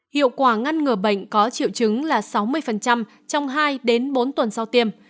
hiệu quả ngăn ngừa bệnh có triệu chứng là sáu mươi trong hai đến bốn tuần sau tiêm